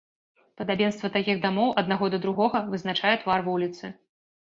Падабенства такіх дамоў аднаго да другога вызначае твар вуліцы.